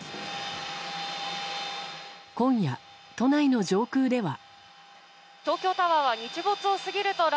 今夜、都内の上空では。